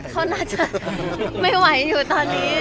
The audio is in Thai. เขาน่าจะไม่ไหวอยู่ตอนนี้